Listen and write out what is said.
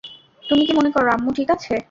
তুমি কী মনে করো আম্মু ঠিক আছে?